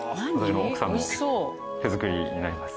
奥さんの手作りになります。